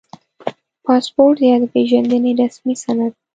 • پاسپورټ یا د پېژندنې رسمي سند